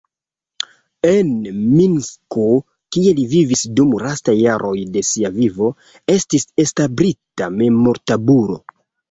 En Minsko, kie li vivis dum lastaj jaroj de sia vivo, estis establita memortabulo.